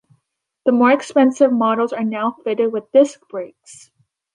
The more expensive models are now fitted with disc brakes.